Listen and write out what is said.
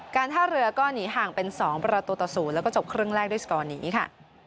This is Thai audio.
ท่าเรือก็หนีห่างเป็น๒ประตูต่อ๐แล้วก็จบครึ่งแรกด้วยสกอร์นี้ค่ะ